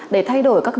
để thay đổi các cơ quan